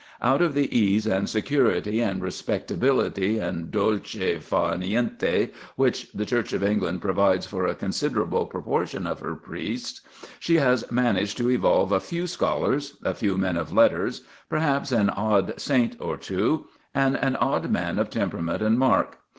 Out of the ease and security and respectability and dolce far niente which the Church of England provides for a considerable proportion of her priests, she has managed to evolve a few scholars, a few men of letters, perhaps an odd saint or two, and an odd man of temperament and mark.